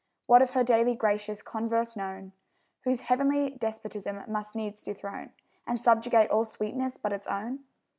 What of her daily gracious converse known, Whose heavenly despotism must needs dethrone And subjugate all sweetness but its own?